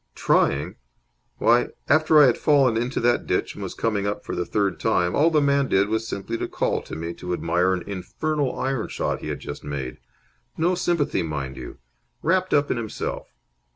"Trying! Why, after I had fallen into that ditch and was coming up for the third time, all the man did was simply to call to me to admire an infernal iron shot he had just made. No sympathy, mind you! Wrapped up in himself.